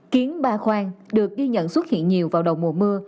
kiến ba khoang được ghi nhận xuất hiện nhiều vào đầu mùa mưa